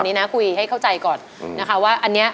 อันนี้นะคุยให้เข้าใจก่อนนะคะว่าอันนี้